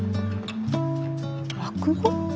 落語？